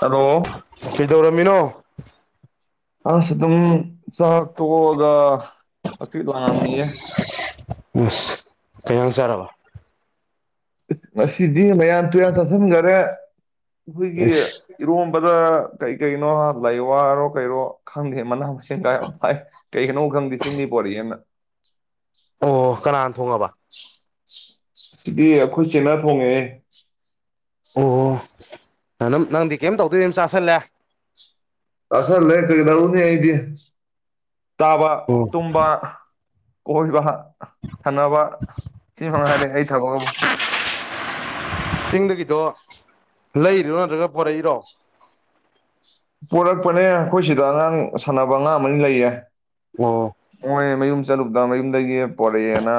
hello ꯀꯩꯗꯧꯔꯝꯃꯤꯅꯣ [inaudible] ꯑꯁ ꯑꯗꯨꯝ ꯆꯥꯛ ꯇꯣꯛꯑꯒ ꯍꯛꯆꯤꯛ ꯂꯥꯡꯉꯝꯃꯤꯌꯦ ꯏꯁ ꯀꯩ ꯏꯟꯁꯥꯡ ꯆꯥꯔꯕ ꯉꯁꯤꯗꯤ ꯗꯤ ꯃꯌꯥꯝ ꯇꯨꯌꯥꯟ ꯆꯥꯁꯤꯟꯈꯔꯦ ꯑꯩꯈꯣꯏꯒꯤ ꯏꯁ ꯏꯔꯣꯝ ꯗ ꯀꯩ ꯀꯩꯅꯣ ꯂꯩ ꯋꯥꯔꯣ ꯀꯩꯔꯣ ꯈꯪꯗꯦ ꯃꯅꯥ ꯃꯁꯤꯡꯒ ꯌꯥꯝ ꯊꯥꯏ ꯀꯩ ꯀꯩ ꯈꯪꯗꯦ ꯆꯤꯡꯗꯩ ꯄꯣꯔꯛꯑꯦꯅ ꯑꯣ ꯀꯅꯥ ꯊꯣꯡꯉꯕ ꯁꯤꯗꯤ ꯑꯩꯈꯣꯏ ꯆꯦꯅꯥ ꯊꯣꯡꯉꯦꯍꯦ ꯑꯣ ꯅꯅꯝ ꯅꯪꯗꯤ ꯀꯩꯝ ꯇꯧꯗꯣꯢ ꯑꯗꯨꯝ ꯆꯥꯁꯜꯂꯦ ꯆꯥꯁꯜꯂꯦ ꯀꯩꯗꯧꯅꯤ ꯑꯩꯗꯤ ꯆꯥꯕ ꯇꯨꯝꯕ ꯀꯣꯢꯕ ꯁꯥꯟꯅꯕ ꯁꯤ ꯃꯉꯥꯏꯔꯦ ꯑꯩ ꯊꯕꯛ ꯑꯕꯨ ꯆꯤꯡꯗꯒꯤꯗꯣ ꯂꯩꯔꯤꯔꯣ ꯅꯠꯇ꯭ꯔꯒ ꯄꯣꯔꯛꯏꯔꯣ ꯄꯨꯔꯛꯄꯅꯦ ꯑꯩꯈꯣꯏ ꯁꯤꯗ ꯑꯉꯥꯡ ꯁꯥꯟꯅꯕ ꯑꯉꯥꯡ ꯑꯝꯅꯤ ꯂꯩꯌꯦ ꯑꯣ ꯃꯣꯢ ꯃꯌꯨꯝ ꯆꯠꯂꯨꯕꯗ ꯃꯌꯨꯝꯗꯒꯤ ꯄꯣꯔꯛꯑꯦꯅ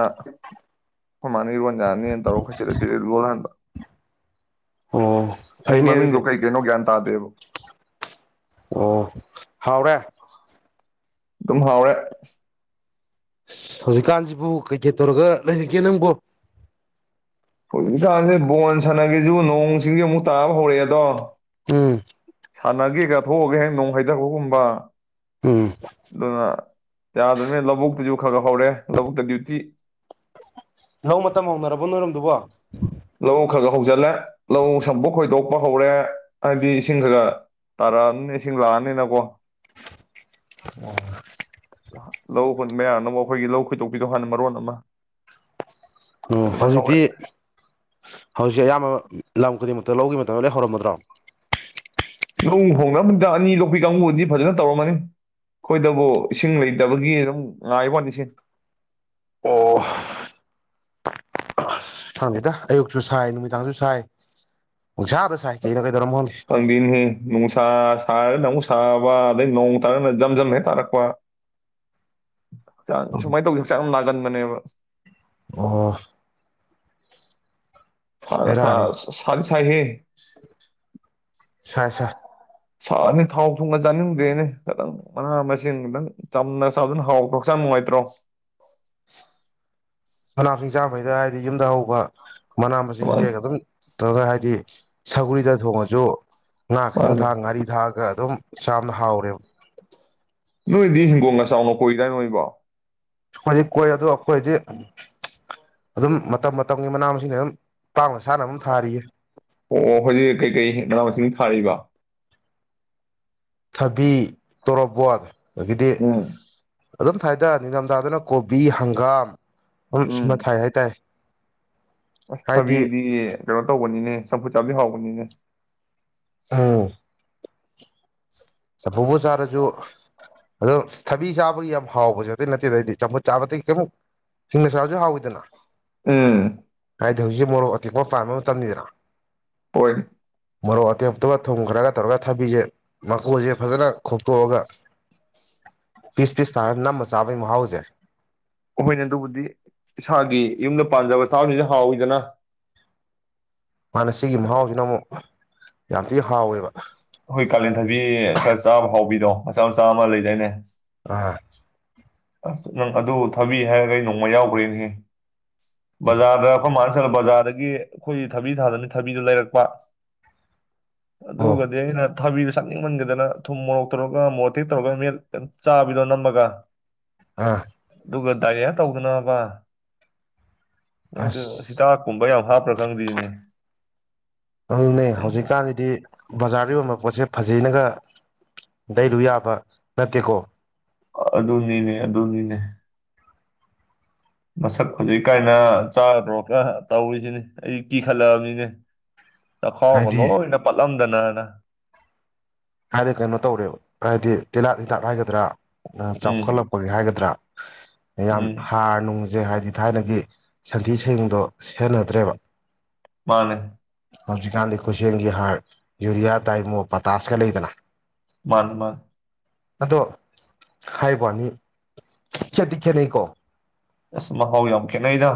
ꯈꯣꯢ ꯃꯥꯅ ꯏꯔꯣꯟ ꯌꯥꯅꯤꯅ ꯇꯧꯔ ꯈꯣꯢ ꯆꯦꯗ ꯄꯤꯔꯛꯑꯦ ꯂꯣꯜꯍꯟꯕ ꯑꯣ ꯑꯩ ꯐꯩꯅꯦ ꯃꯃꯤꯡꯗꯣ ꯑꯗꯨꯗꯤ ꯀꯩ ꯀꯩꯅꯣ ꯒ꯭ꯌꯥꯟ ꯇꯥꯗꯦꯕ ꯑꯣ ꯍꯥꯎꯔꯦ ꯑꯗꯨꯝ ꯍꯥꯎꯋꯦ ꯁꯤ ꯍꯧꯖꯤꯛꯀꯥꯟꯁꯤꯕꯨ ꯀꯩꯀꯩ ꯇꯧꯔꯒ ꯂꯩꯔꯤꯒꯦ ꯅꯪꯕꯣ ꯍꯧꯖꯤꯛꯀꯥꯟꯁꯦ ꯕꯣꯟ ꯁꯥꯟꯅꯒꯦꯁꯨ ꯅꯣꯡ ꯁꯤꯡꯖꯦ ꯑꯃꯨꯛ ꯇꯥꯕ ꯍꯧꯔꯛꯑꯦꯗꯣ ꯎꯝ ꯁꯥꯟꯅꯒꯦ ꯀꯥ ꯊꯣꯛꯑꯨꯒꯦ ꯅꯣꯡ ꯍꯩꯊꯕꯒꯨꯝꯕ ꯎꯝ ꯑꯗꯨꯅ ꯌꯥꯗꯣꯏꯅꯦ ꯂꯧꯕꯨꯛꯇꯗꯤ ꯈ ꯈꯔ ꯍꯧꯔꯦ ꯂꯧꯕꯨꯛꯇ ꯗ꯭ꯌꯨꯇꯤ ꯂꯧ ꯃꯇꯝ ꯍꯧꯅꯔꯕꯣ ꯅꯣꯏꯔꯣꯝꯗꯨꯕꯣ ꯂꯧ ꯈꯔ ꯈ ꯍꯧꯖꯤꯜꯂꯦ ꯂꯧ ꯁꯝꯕꯣꯛ ꯈꯣꯏꯗꯣꯛꯄ ꯍꯧꯔꯦ ꯍꯥꯏꯗꯤ ꯏꯁꯤꯡ ꯈꯒ ꯇꯥꯔꯛꯑꯝꯅꯤꯅ ꯏꯁꯤꯡ ꯂꯥꯛꯑꯅꯤꯅꯀꯣ ꯑꯣ ꯂꯧ ꯍꯨꯟꯕ ꯌꯥꯅꯕ ꯑꯩꯈꯣꯏꯒꯤ ꯂꯧ ꯈꯣꯏꯗꯣꯛꯄꯤꯗꯣ ꯍꯥꯟꯅ ꯃꯔꯣꯟ ꯑꯃ ꯑꯝ ꯑꯗꯨꯃꯥꯏꯅ ꯍꯧꯔꯦ ꯍꯧꯖꯤꯛꯇꯤ ꯍꯧꯖꯤꯛ ꯑꯌꯥꯝꯕ ꯂꯝ ꯈꯨꯗꯤꯡꯃꯛ ꯇ ꯂꯧꯒꯤ ꯃꯇꯝꯗ ꯂꯣꯢ ꯍꯧꯔꯝꯃꯗ꯭ꯔꯣ ꯅꯣꯡ ꯍꯣꯡꯅꯝꯅꯤꯗ ꯑꯅꯤ ꯂꯣꯛꯄꯤ ꯀꯥꯡꯕꯨꯗꯤ ꯐꯖꯅ ꯇꯧꯔꯝꯃꯅꯤ ꯑꯩꯈꯣꯏꯗꯕꯨ ꯏꯁꯤꯡ ꯂꯩꯇꯕꯒꯤ ꯑꯗꯨꯝ ꯉꯥꯏꯕ ꯋꯥꯅꯤ ꯁꯤ ꯑꯣ ꯁꯤ ꯈꯪꯗꯦꯗ ꯑꯌꯨꯛꯁꯨ ꯁꯥꯏ ꯅꯨꯃꯤꯗꯥꯡꯁꯨ ꯁꯥꯏ ꯄꯪꯁꯥꯗ ꯁꯥꯏ ꯀꯩꯅꯣ ꯀꯩꯗꯧꯔꯝꯅꯣ ꯈꯪꯗꯦ ꯈꯪꯗꯦꯅꯦꯍꯦ ꯅꯨꯡꯁꯥ ꯁꯥꯔ ꯑꯃꯨꯛ ꯁꯥ ꯁꯥꯕ ꯑꯗꯩ ꯅꯣꯡ ꯇꯥꯔꯅ ꯖꯝꯖꯝ ꯍꯦꯛ ꯇꯥꯔꯛꯄ ꯁꯨꯃꯥꯏꯅ ꯇꯧꯖꯦ ꯍꯛꯆꯥꯡ ꯌꯥꯝ ꯅꯥꯒꯟ ꯃꯅꯦꯕ ꯑꯣ [inaudible] ꯐꯒ ꯐ ꯕꯦꯔꯥꯅꯤ ꯁꯥ ꯒꯤ [unintelligible] ꯁꯥꯏꯍꯦ ꯁꯥꯢ ꯁꯥꯏ ꯁꯥꯔꯕꯅꯤꯅ ꯊꯥꯎ ꯊꯨꯝꯒ ꯆꯥꯅꯤꯡꯗ꯭ꯔꯦꯅꯦ ꯈꯤꯇꯪ ꯃꯅꯥ ꯃꯁꯤꯡ ꯈꯤꯇꯪ ꯆꯝꯅ ꯆꯥꯕꯗꯨꯅ ꯍꯥꯎꯇ꯭ꯔꯣ ꯍꯛꯆꯥꯡ ꯅꯨꯡꯉꯥꯏꯇ꯭ꯔꯣ ꯃꯅꯥ ꯃꯁꯤꯡ ꯆꯥꯕꯩꯗ ꯍꯥꯏꯗꯤ ꯌꯨꯝꯗ ꯍꯧꯕ ꯃꯅꯥ ꯃꯁꯤꯡ ꯃꯥꯅꯤ ꯍꯦꯛꯑꯒ ꯑꯗꯨꯝ ꯇꯧꯔꯒ ꯍꯥꯏꯗꯤ ꯁꯧꯒ꯭ꯔꯤꯗ ꯊꯣꯡꯉꯥꯁꯨ ꯉꯥ ꯈꯤꯇꯪ ꯃꯥꯅꯤ ꯊꯥꯛꯑ ꯉꯥꯔꯤ ꯊꯥꯛꯑꯒ ꯑꯗꯨꯝ ꯆꯥꯝꯅ ꯍꯥꯎꯔꯦꯕ ꯅꯣꯏꯗꯤ ꯍꯤꯡꯒꯣꯜꯒ ꯆꯥꯎꯅ ꯀꯣꯏꯗꯥꯏꯅꯦ ꯅꯣꯏꯕꯣ ꯑꯩꯈꯣꯏꯗꯤ ꯀꯣꯏ ꯑꯗꯣ ꯑꯩꯈꯣꯏꯗꯤ ꯑꯗꯨꯝ ꯃꯇꯝ ꯃꯇꯝꯒꯤ ꯃꯅꯥ ꯃꯁꯤꯡꯅ ꯑꯗꯨꯝ ꯄꯥꯛꯅ ꯁꯥꯟꯅꯕ ꯑꯗꯨꯝ ꯊꯥꯔꯤꯌꯦ ꯑꯣ ꯍꯧꯖꯤꯛ ꯀꯩꯀꯩ ꯃꯅꯥ ꯃꯁꯤꯡ ꯊꯥꯔꯤꯕ ꯊꯥꯕꯤ ꯇꯣꯔꯕꯣꯠ ꯑꯗꯒꯤꯗꯤ ꯎꯝ ꯑꯗꯨꯝ ꯊꯥꯏꯗ ꯅꯤꯡꯊꯝꯊꯥꯗꯅ ꯀꯣꯕꯤ ꯍꯪꯒꯥꯝ ꯑꯗꯨꯝ ꯁꯨꯅ ꯊꯥꯏ ꯍꯥꯏꯇꯥꯢꯌꯦ ꯑꯥ ꯊꯥꯕꯤꯗꯤ ꯀꯩꯅꯣ ꯇꯧꯕꯅꯤꯅꯦ ꯆꯝꯐꯨꯠ ꯆꯥꯕꯗꯤ ꯍꯥꯎꯕꯅꯤꯅꯦ ꯑꯝ ꯆꯝꯐꯨꯠꯕꯨ ꯆꯥꯔꯁꯨ ꯑꯗꯨꯝ ꯊꯥꯕꯤ ꯆꯥꯕꯒꯤ ꯌꯥꯝ ꯍꯥꯎꯕꯁꯦ ꯑꯇꯩ ꯅꯠꯇꯦꯗ ꯑꯩꯗꯤ ꯆꯝꯐꯨꯠ ꯆꯥꯕꯗꯤ ꯀꯦꯝ ꯍꯤꯡꯅ ꯆꯥꯔꯁꯨ ꯍꯥꯎꯋꯤꯗꯅ ꯎꯝ ꯍꯥꯏꯗꯤ ꯍꯧꯖꯤꯛ ꯃꯣꯔꯣꯛ ꯑꯇꯦꯛꯄ ꯄꯥꯟꯕ ꯃꯇꯝꯅꯤꯅ ꯄꯣꯏ ꯃꯣꯔꯣꯛ ꯑꯇꯦꯛꯄꯗꯨꯒ ꯊꯨꯝꯈ꯭ꯔꯥꯒ ꯇꯧꯔꯒ ꯊꯥꯕꯤꯖꯦ ꯃ ꯀꯨꯁꯦ ꯐꯖꯅ ꯈꯣꯛꯇꯣꯛꯑꯒ ꯄꯤꯁ ꯄꯤꯁ ꯇꯥꯔꯒ ꯅꯝꯃꯥꯒ ꯆꯥꯕꯒꯤ ꯃꯍꯥꯎꯁꯦ ꯍꯣꯏꯅꯦ ꯑꯗꯨꯕꯨꯗꯤ ꯊꯥꯎꯗꯤ ꯍꯥꯎꯋꯤꯗꯅ ꯃꯥꯥꯟꯅꯦ ꯁꯤꯒꯤ ꯃꯍꯥꯎꯁꯤꯅ ꯑꯃꯨꯛ ꯌꯥꯝ ꯊꯤ ꯍꯥꯎꯋꯦꯕ ꯑꯩꯈꯣꯏ ꯀꯥꯂꯦꯟ ꯊꯥꯕꯤ ꯈꯔ ꯆꯥꯕ ꯍꯥꯎꯕꯤꯗꯣ ꯃꯆꯥ ꯃꯆꯥ ꯑꯃ ꯂꯩꯗꯥꯏꯅꯦ ꯑ ꯑꯁ ꯅꯪ ꯑꯗꯨ ꯊꯥꯕꯤ ꯍꯥꯏꯔꯒ ꯑꯩ ꯅꯣꯡꯃ ꯌꯥꯎꯒ꯭ꯔꯦꯅꯦ ꯕꯖꯥꯔꯗ ꯑꯈꯣꯢ ꯃꯅꯥ ꯇꯥ ꯕꯖꯥꯔꯗꯒꯤ ꯑꯩꯈꯣꯏ ꯊꯥꯕꯤ ꯊꯥꯗꯕꯅꯤꯅ ꯊꯥꯕꯤꯗꯣ ꯂꯩꯔꯛꯄ ꯑꯣ ꯑꯗꯨꯒꯗꯤ ꯑꯩꯅ ꯊꯥꯕꯤꯗꯨ ꯆꯥꯅꯤꯡꯃꯟꯒꯤꯗꯅ ꯊꯨꯝ ꯃꯣꯔꯣꯛ ꯇꯧꯔꯒ ꯃꯣꯔꯣꯑꯇꯦꯛ ꯇꯧꯔꯒ ꯃꯦꯠꯂꯥ ꯆꯥꯕꯤꯗꯣ ꯅꯝꯃꯒ ꯑꯥ ꯑꯗꯨꯒ ꯗꯥꯏꯔꯤꯌꯥ ꯇꯧꯗꯅꯕ ꯃꯣꯏꯗꯣ ꯑꯁ ꯍꯤꯗꯥꯛꯀꯨꯝꯕ ꯌꯥꯝ ꯍꯥꯞꯄ꯭ꯔꯥ ꯈꯪꯗꯦꯏꯅꯦ ꯑꯗꯨꯅꯦ ꯍꯧꯖꯤꯛꯀꯥꯟꯁꯤꯗꯤ ꯕꯖꯥꯔꯗ ꯌꯣꯟꯕ ꯄꯣꯠꯁꯦ ꯐꯖꯩꯅꯒ ꯂꯩꯔꯨ ꯌꯥꯕ ꯅꯠꯇꯦꯀꯣ ꯑꯗꯨꯅꯤꯅꯦ ꯑꯗꯨꯅꯤꯅꯦ ꯃꯁꯛ ꯐꯖꯩ ꯀꯥꯏꯅ ꯆꯥꯗ꯭ꯔꯣꯒ ꯇꯧꯔꯤꯁꯤꯅꯦ ꯑꯩ ꯀꯤꯈꯠꯂꯛꯑꯕꯅꯤꯅꯦ ꯆꯈꯥꯎꯒ ꯍꯥꯏꯗꯤ ꯂꯣꯏꯅ ꯄꯠꯂꯝ ꯀꯅꯥꯅ ꯍꯥꯏꯗꯤ ꯀꯩꯅꯣ ꯇꯧꯔꯦꯕ ꯍꯥꯏꯗꯤ ꯇꯤꯜꯍꯥꯠ ꯍꯤꯗꯥꯛ ꯍꯥꯏꯒꯗ꯭ꯔꯥ ꯑ ꯎꯝ ꯆꯥꯎꯈꯠꯂꯛꯄꯒꯤ ꯍꯥꯏꯒꯗ꯭ꯔꯥ ꯌꯥꯝ ꯎꯝ ꯍꯥꯔ ꯅꯨꯡꯖꯦ ꯍꯥꯏꯗꯤ ꯊꯥꯏꯅꯒꯤ ꯁꯟꯊꯤ ꯁꯌꯨꯡꯗꯣ ꯁꯦꯟꯅꯗ꯭ꯔꯦꯕ ꯃꯥꯅꯦ ꯍꯧꯖꯤꯛꯀꯥꯟꯗꯤ ꯈꯨꯠꯁꯦꯝꯒꯤ ꯍꯥꯔ ꯌꯨꯔꯤꯌꯥ ꯇꯥꯏꯃꯣ ꯄꯇꯥꯁ ꯈꯔ ꯂꯩꯗꯅ ꯃꯥꯅꯦ ꯃꯥ ꯑꯗꯣ ꯍꯥꯏꯋꯅꯤ ꯈꯦꯠꯇꯤ ꯈꯦꯠꯅꯩꯀꯣ ꯑꯁ ꯃꯍꯥꯎ ꯌꯥꯝ ꯈꯦꯠꯅꯩꯗ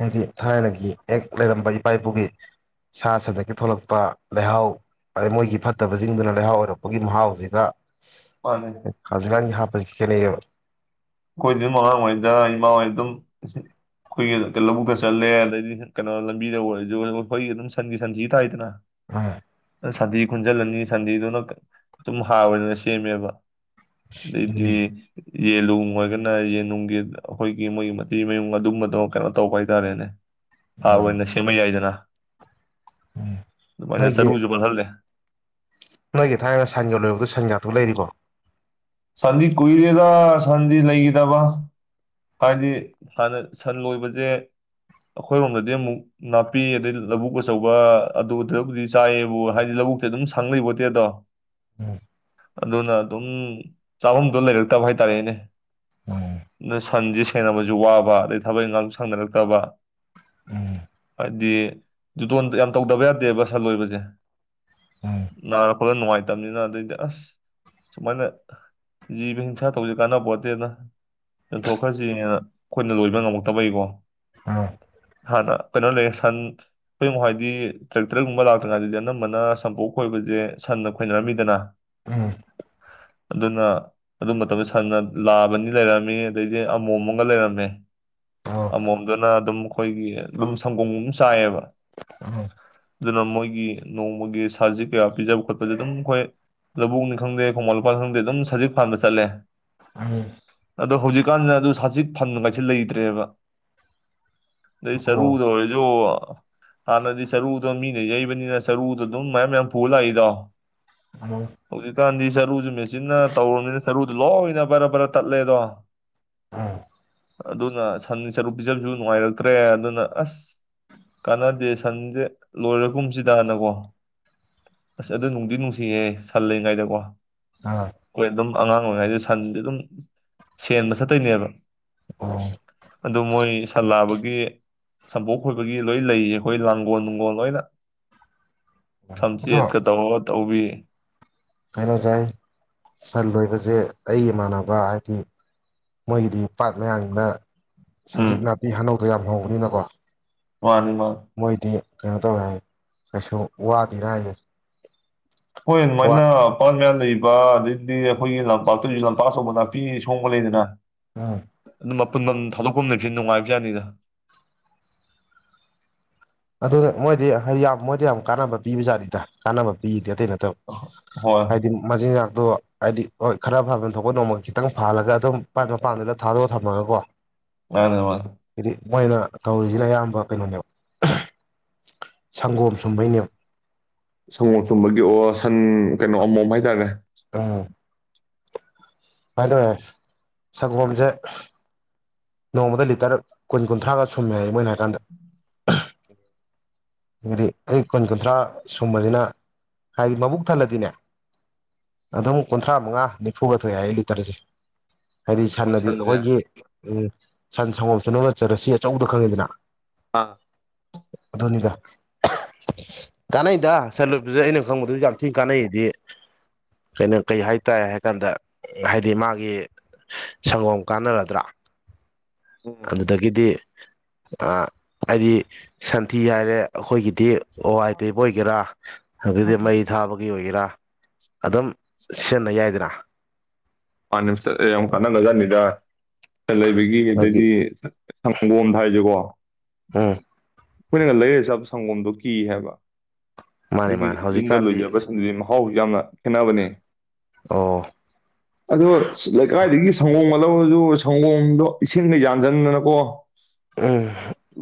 ꯍꯥꯏꯗꯤ ꯊꯥꯏꯅꯒꯤ ꯍꯦꯛ ꯂꯩꯔꯝꯕ ꯏꯄꯥ ꯏꯄꯨꯒꯤ ꯁꯥ ꯁꯟꯗꯀꯤ ꯊꯣꯛꯂꯛꯄ ꯂꯩꯍꯥꯎ ꯑꯗꯩ ꯃꯣꯏꯒꯤ ꯐꯠꯇꯕꯁꯤꯡꯗꯨꯅ ꯂꯩꯍꯥꯎ ꯑꯣꯏꯔꯛꯄꯒꯤ ꯃꯍꯥꯎꯁꯤꯒ ꯃꯥꯅꯦ ꯍꯧꯖꯤꯛꯀꯥꯟꯒꯤ ꯍꯥꯞ [unintelligible] ꯑꯩꯈꯣꯏꯗꯤ ꯑꯗꯨꯝ ꯑꯉꯥꯡ ꯑꯣꯏꯉꯩꯗ ꯏꯃꯥ ꯍꯣꯏ ꯑꯗꯨꯝ ꯑꯩꯈꯣꯏꯒꯤ ꯂꯧꯕꯨꯛꯇ ꯆꯠꯂꯦ ꯑꯗꯩꯗꯤ ꯀꯩꯅꯣ ꯂꯝꯕꯤꯗ ꯑꯣꯏꯔꯁꯨ ꯑꯩꯈꯣꯏꯒꯤ ꯑꯗꯨꯝ ꯁꯟꯒꯤ ꯁꯟꯊꯤ ꯇꯥꯏꯗꯅ ꯎꯝ ꯁꯟꯗꯤ ꯈꯨꯟꯖꯤꯜꯂꯅꯤ ꯁꯟꯗꯤꯗꯨꯅ ꯗꯨꯝ ꯍꯥꯥꯔ ꯑꯣꯏꯅ ꯁꯦꯝꯃꯦꯕ ꯗꯦ ꯗꯦ ꯑꯗꯨꯅꯤ ꯌꯦꯂꯨꯝ ꯃꯣꯏꯒꯅ ꯌꯦꯟꯅꯨꯡꯒꯤ ꯑꯩꯈꯣꯏꯒꯤ ꯃꯣꯏꯒꯤ ꯃꯇꯤ ꯃꯌꯨꯡ ꯑꯗꯨꯝꯕꯗꯣ ꯀꯩꯅꯣ ꯇꯧꯕ ꯍꯥꯏꯇꯥꯔꯦꯅꯦ ꯍꯥꯔ ꯑꯣ ꯑꯣꯏꯅ ꯁꯦꯝꯕ ꯌꯥꯏꯗꯅ ꯎꯝ ꯑꯗꯨꯃꯥꯏꯅ ꯅꯣꯏꯒꯤ ꯆꯔꯨꯁꯨ ꯄꯠꯍꯜꯂꯦ ꯅꯣꯏꯒꯤ ꯊꯥꯏꯅ ꯁꯟ ꯌ ꯂꯣꯏꯕꯛꯇꯣ ꯁꯟ ꯉꯥꯛꯇ ꯂꯩꯔꯤꯕ꯭ꯔꯣ ꯁꯟꯗꯤ ꯀꯨꯏꯔꯦꯗ ꯁꯟꯗꯤ ꯂꯩꯈꯤꯗꯕ ꯍꯥꯏꯗꯤ ꯍꯥꯟꯅ ꯁꯟ ꯂꯣꯏꯕꯁꯦ ꯑꯩꯈꯣꯏꯔꯣꯝꯗꯗꯤ ꯑꯃꯨꯛ ꯅꯥꯄꯤ ꯑꯗꯩ ꯂꯧꯕꯨꯛ ꯑꯆꯧꯕ ꯑꯗꯨꯗꯕꯨꯗꯤ ꯆꯥꯏꯌꯦꯕꯨ ꯍꯥꯏꯗꯤ ꯂꯧꯕꯨꯛꯇꯤ ꯑꯗꯨꯝ ꯁꯪ ꯂꯩꯕꯣꯇꯦꯗꯣ ꯎꯝ ꯑꯗꯨꯅ ꯑꯗꯨꯝ ꯆꯥꯐꯝꯗꯣ ꯂꯩꯔꯛꯇꯕ ꯍꯥꯏꯇꯥꯔꯦꯅꯦ ꯎꯝ ꯅ ꯁꯟꯖꯤ ꯁꯦꯅꯕꯁꯨ ꯋꯥꯕ ꯑꯗꯩ ꯊꯕꯛ ꯏꯪꯈꯥꯡꯁꯨ ꯁꯪꯅꯔꯛꯇꯕ ꯎꯝ ꯗꯤ ꯖꯨꯇꯣꯟ ꯌꯥꯝ ꯇꯧꯗꯕ ꯌꯥꯗꯦꯕ ꯁꯟ ꯂꯣꯏꯕꯁꯦ ꯎꯝ ꯅꯥꯔꯛ ꯐꯅ ꯅꯨꯡꯉꯥꯏꯇꯕꯅꯤꯅ ꯑꯗꯩꯗ ꯑꯁ ꯁꯨꯃꯥꯏꯅ ꯖꯤꯕ ꯍꯤꯡꯁꯥ ꯇꯧꯕꯁꯤ ꯀꯥꯟꯅ ꯄꯣꯠꯇꯦꯗ ꯌꯣꯟꯊꯣꯛꯈ꯭ꯔꯁꯤꯅ ꯑꯩꯈꯣꯏꯅ ꯂꯣꯏꯕ ꯉꯝꯃꯛꯇꯕꯩꯀꯣ ꯑꯥ ꯍꯥꯟꯅ ꯀꯩꯅꯣ ꯂꯩ ꯁꯟ ꯈꯣꯏꯃꯍꯣꯏꯗꯤ ꯇ꯭ꯔꯦꯛꯇꯔꯒꯨꯝꯕ ꯂꯥꯛꯇ꯭ꯔꯤꯉꯩꯗꯗꯤ ꯑꯅꯝꯕꯅ ꯁꯝꯄꯣꯛ ꯈꯣꯏꯕꯁꯦ ꯁꯟꯅ ꯈꯣꯏꯅꯔꯝꯃꯤꯗꯅ ꯎꯝ ꯑꯗꯨꯅ ꯑꯗꯨ ꯃꯇꯝꯗ ꯁꯟꯅ ꯂꯥꯕꯥ ꯅꯤ ꯂꯩꯔꯝꯃꯤ ꯑꯗꯩꯗꯤ ꯑꯃꯣꯝꯃꯒ ꯂꯩꯔꯝꯃꯦ ꯑꯣ ꯑꯃꯣꯝꯗꯨꯅ ꯑꯗꯨꯝ ꯑꯩꯈꯣꯏꯒꯤ ꯑꯗꯨꯨꯝ ꯁꯪꯒꯣꯝ ꯒꯨꯃ ꯆꯥꯏꯌꯦꯕ [unintelligible] ꯑꯗꯨꯅ ꯃꯣꯏꯒꯤ ꯅꯣꯡꯃꯒꯤ ꯁꯥꯖꯤꯛ ꯀꯌꯥꯝ ꯄꯤꯖꯕ ꯈꯣꯠꯄꯁꯦ ꯑꯗꯨꯝ ꯑꯩꯈꯣꯏ ꯂꯧꯕꯨꯛꯅꯤ ꯈꯪꯗꯦ ꯈꯣꯡꯕꯥꯟ ꯂꯨꯄꯥꯅꯤ ꯈꯪꯗꯦ ꯑꯗꯨꯝ ꯁꯖꯤꯛ ꯐꯥꯟꯕ ꯆꯠꯂꯦ ꯎꯝ ꯑꯗꯣ ꯍꯧꯖꯤꯛꯀꯥꯟꯗ ꯑꯗꯨ ꯁꯥꯖꯤꯛ ꯐꯪꯕ ꯍꯥꯏꯁꯤ ꯂꯩꯇ꯭ꯔꯦꯕ ꯑꯗꯩ ꯁꯔꯨꯗ ꯑꯣꯔꯁꯨ ꯍꯥꯟꯅꯗꯤ ꯁꯔꯨꯗꯣ ꯃꯤꯅ ꯌꯩꯕꯅꯤꯅ ꯁꯔꯨꯗꯣ ꯑꯗꯨꯝ ꯃꯌꯥꯝ ꯃꯌꯥꯝ ꯄꯨꯔꯒ ꯂꯛꯏꯗꯣ [unintelligible] [unintelligible] ꯆꯤꯟꯅ ꯇꯧꯔꯕꯅꯤꯅ ꯁꯔꯨꯗꯣ ꯂꯣꯏꯅ ꯕꯔ ꯕꯔ ꯇꯠꯂꯦꯗꯣ ꯎꯝ ꯑꯗꯨꯅ ꯁꯟꯗ ꯁꯔꯨ ꯄꯤꯖꯕꯁꯨ ꯅꯨꯡꯉꯥꯏꯔꯛꯇ꯭ꯔꯦ ꯑꯗꯨꯅ ꯑꯁ ꯀꯥꯟꯅꯗꯦ ꯁꯟꯁꯦ ꯂꯣꯏꯔꯒꯨꯝꯁꯤꯗ ꯅꯀꯣ ꯑꯁ ꯑꯗꯨ ꯅꯨꯡꯗꯤ ꯅꯨꯡꯁꯤꯌꯦ ꯁꯟ ꯂꯩꯔꯤꯉꯩꯗꯀꯣ ꯑꯥ ꯑꯉꯥꯡ ꯑꯣꯏꯔꯤꯉꯩꯗ ꯁꯟꯗꯤ ꯑꯗꯨꯝ ꯁꯦꯟꯕ ꯆꯠꯇꯣꯏꯅꯦꯕ ꯑꯗꯨ ꯃꯣꯏ ꯁꯟꯂꯥꯕꯒꯤ ꯁꯝꯕꯣꯛ ꯈꯣꯏꯕꯒꯤ ꯂꯣꯏ ꯂꯩꯌꯦ ꯑꯩꯈꯣꯏ ꯂꯥꯡꯒꯣꯜ ꯅꯨꯡꯒꯣꯜ ꯂꯣꯏꯅ ꯊꯝꯆꯦꯠ ꯀꯥ ꯇꯧꯔꯒ ꯇꯧꯕꯤ ꯀꯥꯏꯅꯁꯦ ꯁꯟ ꯂꯣꯏꯕꯁꯦ ꯑꯩꯒꯤ ꯏꯃꯥꯟꯅꯕ ꯍꯥꯏꯗꯤ ꯃꯣꯏꯒꯤꯗꯤ ꯄꯥꯠ ꯃꯌꯥꯅꯤꯅ ꯎꯝ ꯁꯖꯤꯛ ꯅꯥꯄꯤ ꯍꯅꯧ ꯃꯣꯏ ꯌꯥꯝ ꯍꯧꯕꯅꯤꯅꯀꯣ ꯃꯣꯏꯗꯤ [unintelligible] ꯀꯩꯅꯣ ꯇꯣꯏ ꯍꯥꯏ ꯀꯩꯁꯨ ꯋꯥꯗꯦ ꯍꯥꯔꯤ [unintelligible] ꯑꯗꯩꯗꯤ ꯑꯩꯈꯣꯏꯒꯤ ꯂꯝꯄꯥꯛꯇꯁꯨ ꯂꯝꯄꯥꯛꯆꯧꯕ ꯅꯥꯄꯤ ꯁꯣꯡꯕ ꯂꯩꯗꯅ ꯎꯝ ꯑ ꯄꯨꯨꯟꯐꯝ ꯊꯥꯗꯣꯛꯐꯝ ꯂꯩꯕꯁꯤ ꯅꯨꯡꯉꯥꯏꯕꯖꯥꯠꯅꯤꯗ ꯑꯗꯨꯅ ꯃꯣꯏꯗꯤ ꯌꯥꯝ ꯃꯣꯏꯗꯤ ꯌꯥꯝ ꯀꯥꯟꯅꯕ ꯄꯤꯕꯖꯥꯠꯅꯤꯗ ꯀꯥꯟꯅꯕ ꯄꯤꯗ ꯑꯇꯩꯩ ꯅꯣꯠꯇꯕ ꯍꯣꯏ ꯍꯥꯏꯗꯤ ꯃꯆꯤꯟꯖꯥꯡ ꯑꯗꯣ ꯍꯥꯏꯗꯤ ꯍꯣꯏ ꯈꯔ ꯐꯥꯟꯐꯝ ꯊꯣꯛꯄ ꯅꯣꯡꯃꯒꯤ ꯈꯤꯇꯪ ꯐꯥꯜꯂꯒ ꯑꯗꯨꯝ ꯄꯥꯠ ꯃꯄꯥꯟꯗꯨꯗ ꯊꯥꯗꯣꯛꯑꯒ ꯊꯝꯃꯒꯀꯣ ꯃꯥꯅꯦ ꯃꯥꯅꯦ ꯍꯥꯏꯗꯤ ꯃꯣꯏꯅ ꯇꯧꯔꯤꯁꯤꯅ ꯑꯌꯥꯝꯕ ꯀꯩꯅꯣꯅꯦꯕ ꯁꯪꯒꯣꯝ ꯁꯨꯝꯕꯩꯅꯦ ꯁꯪꯒꯣꯝ ꯊꯨꯝꯕꯒꯤ ꯑꯣ ꯁꯟ ꯀꯩꯅꯣ ꯑꯃꯣꯝ ꯍꯥꯏꯇꯥꯔꯦ ꯑꯥ ꯍꯥꯏꯗꯋꯦ ꯁꯒꯣꯝꯁꯦ ꯅꯣꯡꯃꯗ ꯂꯤꯇꯔ ꯀꯨꯟ ꯀꯨꯟꯊ꯭ꯔꯥꯒ ꯁꯨꯝꯃꯦ ꯍꯥꯏ ꯃꯣꯏꯟ ꯍꯥꯏ ꯀꯥꯟꯗ ꯍꯥꯏꯗꯤ ꯑꯩ ꯀꯨꯟ ꯀꯨꯟꯊ꯭ꯔꯥ ꯁꯨꯝꯕꯁꯤꯅ ꯍꯥꯏꯗꯤ ꯃꯕꯨꯛ ꯊꯜꯂꯗꯤꯅꯦ ꯑꯗꯨꯝ ꯀꯨꯟꯊ꯭ꯔꯥ ꯃꯉꯥ ꯅꯤꯐꯨꯒ ꯊꯣꯛꯑꯦ ꯍꯥꯏꯑꯦ ꯂꯤꯇꯔꯁꯦ ꯍꯥꯏꯗꯤ ꯑꯣ ꯁꯟꯅꯗꯤ ꯁꯟꯁꯦ ꯑꯩꯈꯣꯏꯒꯤ ꯎꯝ ꯁꯟ ꯁꯪꯒꯣꯝ ꯁꯨꯡꯅꯕ ꯆꯔꯁꯤ ꯑꯆꯧꯕꯗ ꯈꯪꯉꯤꯗꯅ ꯑꯥ ꯑꯣꯗꯨꯅꯤꯗ ꯀꯥꯟꯅꯩꯗ ꯁꯟ ꯂꯣꯏꯕꯖꯦ ꯑꯩꯅ ꯈꯪꯎꯕꯖꯦ ꯌꯥꯝ ꯊꯤꯟ ꯀꯥꯟꯅꯩꯗꯤ ꯀꯩꯅꯣ ꯀꯩ ꯍꯥꯏꯇꯥꯔꯦ ꯍꯥꯏ ꯀꯥꯟꯗ ꯍꯥꯏꯗꯤ ꯃꯥꯒꯤ ꯁꯪꯒꯣꯝ ꯀꯥꯟꯅꯔꯗ꯭ꯔꯥ ꯎꯝ ꯑꯗꯨꯗꯒꯤꯗꯤ ꯑ ꯍꯥꯏꯗꯤ ꯁꯟꯊꯤ ꯍꯥꯏꯔꯦ ꯑꯩꯈꯣꯏꯒꯤꯗꯤ ꯑꯣ ꯋꯥꯢ ꯇꯩꯕ ꯑꯣꯏꯒꯦꯔꯥ ꯑꯗꯨꯗꯩ ꯃꯩ ꯊꯥꯕꯒꯤ ꯑꯣꯏꯒꯦꯔꯥ ꯑꯗꯨꯝ ꯁꯤꯖꯤꯟꯅ ꯌꯥꯏꯗꯅ ꯄꯥꯟꯅꯕ ꯆꯠꯂꯦ ꯌꯥꯝ ꯀꯥꯟꯅꯒ꯭ꯔ ꯖꯥꯠꯅꯤꯗ ꯁꯦꯜꯍꯩꯕꯤꯒꯤ ꯑꯗꯨꯒꯤ ꯑꯗꯩꯗꯤ ꯁꯪꯒꯣꯟ ꯍꯥꯏꯖꯤꯕꯨ ꯀꯣ ꯎꯝ ꯑꯩꯈꯣꯏꯅꯒ ꯂꯩꯔ ꯆꯕ ꯁꯪꯒꯣꯝꯗꯣ ꯀꯤ ꯍꯥꯏꯕ ꯃꯥꯅꯦ ꯑꯗꯨꯒꯤ ꯃꯥꯅꯦ ꯌꯨꯝꯗ ꯍꯧꯖꯤꯛꯀꯥꯟꯗꯤ ꯂꯣꯏꯖꯕ ꯁꯟꯖꯦ ꯃꯍꯥꯎ ꯌꯥꯝꯅ ꯈꯦꯠꯅꯕꯅꯦ ꯑꯣ ꯑꯗꯣ ꯂꯩꯀꯥꯏꯗꯒꯤ ꯁꯪꯒꯣꯝꯒ ꯂꯧꯔꯖꯨ ꯁꯪꯒꯣꯝꯗꯣ ꯏꯁꯤꯡꯒ ꯌꯥꯟꯁꯤꯟꯗꯅꯀꯣ ꯎꯝ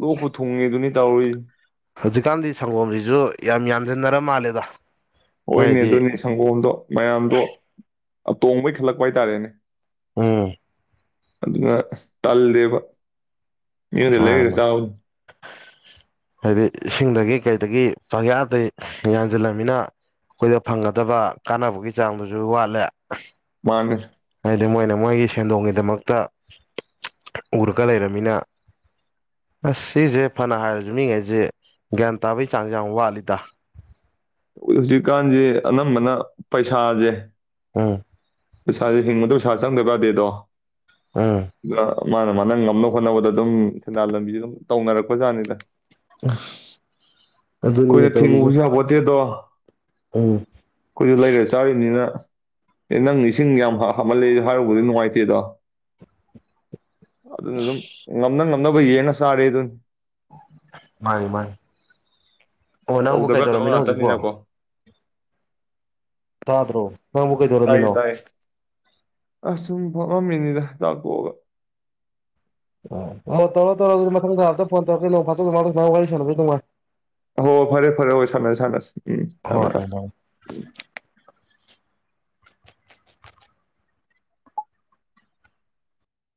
ꯂꯣꯛꯀ ꯊꯨꯡꯢꯗꯨꯅꯤ ꯇꯧꯏ ꯍꯧꯖꯤꯛꯀꯥꯟꯗꯤ ꯁꯪꯒꯣꯝꯖꯤꯁꯨ ꯌꯥꯝ ꯌꯥꯟꯁꯤꯟꯅꯔ ꯃꯥꯜꯂꯦꯗ ꯍꯣꯏꯅꯦ ꯍꯥꯏꯗꯤ ꯑꯗꯨꯅꯦ ꯁꯪꯒꯣꯝꯗꯣ ꯃꯌꯥꯝꯗꯣ ꯑ ꯇꯣꯡꯕꯩ ꯈꯜꯂꯛꯄ ꯍꯥꯏꯇꯥꯔꯦꯅꯦ ꯎꯝ ꯑꯗꯨꯒ ꯑꯁ ꯇꯜꯂꯦꯕ ꯃꯤꯑꯣꯟꯗꯩ ꯃꯥꯅꯤ ꯂꯩꯔ ꯃꯥꯅꯤ ꯆꯥꯎ ꯍꯥꯏꯗꯤ ꯏꯁꯤꯡꯗꯒꯤ ꯀꯩꯗꯒꯤ ꯄꯌꯥꯗ ꯌꯥꯟꯁꯤꯜꯂꯜꯅꯤꯅ ꯑꯩꯈꯣꯏꯗ ꯐꯪꯒꯗꯕ ꯀꯥꯟꯅꯕꯒꯤ ꯆꯥꯡꯗꯨꯁꯨ ꯋꯥꯠꯂꯦ ꯃꯥꯅꯦꯁ ꯍꯥꯏꯗꯤ ꯃꯣꯏꯅ ꯃꯣꯏꯒꯤ ꯁꯦꯟꯗꯣꯡꯒꯤꯗꯃꯛꯇ ꯎꯔꯒ ꯂꯩꯔꯝꯅꯤꯅ ꯑꯁ ꯁꯤꯁꯦ ꯐꯅ ꯍꯥꯏꯔꯁꯨ ꯃꯤꯒꯩꯁꯦ ꯒ꯭ꯌꯥꯟ ꯇꯥꯕꯒꯤ ꯆꯥꯡ ꯌꯥꯝ ꯋꯥꯠꯂꯤꯗ ꯍꯧꯖꯤꯛꯀꯥꯟꯁꯦ ꯑꯅꯝꯕꯅ ꯄꯩꯁꯥꯁꯦ ꯎꯝ ꯄꯩꯁꯥꯁꯦ ꯍꯤꯡꯕꯗ ꯄꯩꯁꯥ ꯆꯪꯗ ꯌꯥꯗꯦꯗꯣ ꯎꯝ ꯑꯥ ꯃꯥꯅ ꯃꯥꯅ ꯉꯝꯅ ꯍꯣꯠꯅꯕꯗ ꯑꯗꯨꯝ ꯁꯦꯟꯗꯥꯜ ꯂꯝꯕꯤꯁꯦ ꯑꯗꯨꯝ ꯇꯧꯅꯔꯛꯄ ꯖꯥꯠꯅꯤꯗ ꯑ ꯑꯗꯨꯅꯤꯅꯦ ꯇꯧꯔꯤꯁꯦ ꯗꯣ ꯎꯝ ꯑꯩꯈꯣꯏꯁꯨ ꯂꯩꯔ ꯆꯥꯔꯤꯅꯤꯅ ꯑꯦ ꯅꯪ ꯏꯁꯤꯡ ꯌꯥꯝ ꯍꯥ ꯍꯥꯞꯃꯜꯂꯤ ꯍꯥꯏꯔꯨꯕꯗꯤ ꯅꯨꯡꯉꯥꯏꯇꯦꯗꯣ ꯑꯗꯨ ꯑꯗꯨꯝ ꯉꯝꯅ ꯉ ꯅꯕ ꯌꯦꯡꯉꯥ ꯆꯥꯔꯤ ꯑꯗꯨ ꯃꯥꯅꯤ ꯃꯥꯅꯤ ꯑꯣ ꯅꯪꯕꯨ ꯇꯧꯗꯕ ꯌꯥꯗꯕ ꯀꯩꯗꯧꯔꯝꯃꯤꯅꯣ ꯍꯧꯖꯤꯛꯄꯣ ꯉꯥꯛꯇꯅꯤꯅꯀꯣ ꯇꯗ꯭ꯔꯣ ꯅꯪꯕꯨꯨ ꯀꯩ ꯗꯧꯔꯝꯃꯤꯅꯣ ꯑꯁꯨꯝ ꯐꯝꯃꯝ ꯃꯤꯅꯤꯗ ꯆꯥꯛ ꯇꯣꯛꯑꯒ ꯑꯣ ꯑꯣ ꯇꯧꯔ ꯇꯧꯔꯣ ꯑꯗꯨꯗꯤ ꯃꯊꯪꯗꯥꯇ ꯐꯣꯟ ꯇꯧꯔꯛꯀꯦ ꯅꯣꯡ ꯐꯗꯣꯛ ꯋꯥꯔꯤ ꯁꯥꯟꯅꯕꯁꯦ ꯅꯨꯡꯉꯥꯏ ꯍꯣ ꯐꯔꯦ ꯐꯔꯦ ꯍꯣ ꯁꯥꯟꯅꯁ ꯁꯥꯟꯅꯁꯤ ꯍꯣꯏ ꯍꯣꯏ